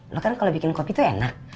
lo kan kalau bikin kopi tuh enak